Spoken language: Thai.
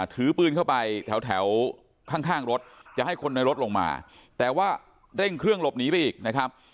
ถือปืนเข้าไปแถวข้างรถจะให้คนในรถลงมาแต่ว่าเร่งเครื่องหลบหนีไปอีกนะครับ